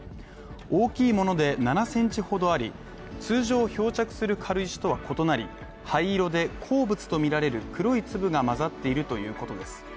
大きいもので７センチほどあり、通常漂着する軽石とは異なり、灰色で、鉱物とみられる黒い粒が混ざっているということです。